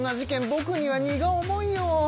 ぼくには荷が重いよ。